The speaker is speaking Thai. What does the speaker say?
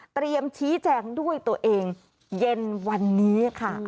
ชี้แจงด้วยตัวเองเย็นวันนี้ค่ะ